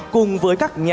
cùng với các nhà hóa